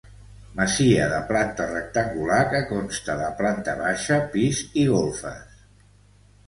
Masia de planta rectangular que consta de planta baixa, pis i golfes.